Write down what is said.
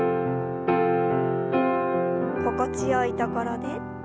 心地よいところで。